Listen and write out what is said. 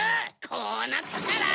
こうなったら！